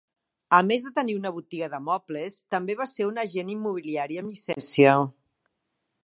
A més de tenir una botiga de mobles, també va ser una agent immobiliària amb llicència.